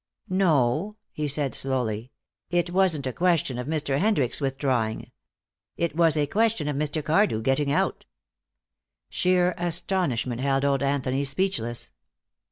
"No," he said, slowly. "It wasn't a question of Mr. Hendricks withdrawing. It was a question of Mr. Cardew getting out." Sheer astonishment held old Anthony speechless.